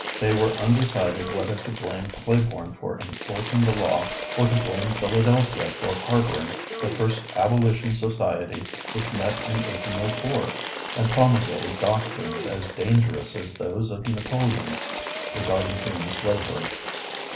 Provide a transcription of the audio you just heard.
They were undecided whether to blame Claiborne for enforcing the law or to blame Philadelphia for harboring the first Abolition Society which met in 1804 and promulgated doctrines as dangerous as those of Napoleon regarding human slavery.